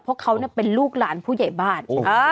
เพราะเขาเป็นลูกหลานผู้ใหญ่บ้าน